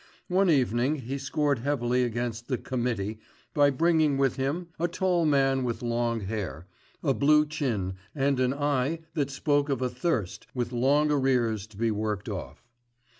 One evening he scored heavily against the "committee," by bringing with him a tall man with long hair, a blue chin and an eye that spoke of a thirst with long arrears to be worked off.